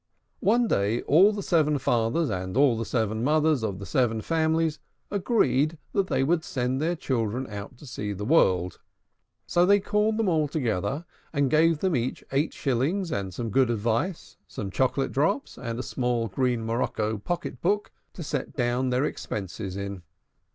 One day all the seven fathers and the seven mothers of the seven families agreed that they would send their children out to see the world. So they called them all together, and gave them each eight shillings and some good advice, some chocolate drops, and a small green morocco pocket book to set down their expenses in.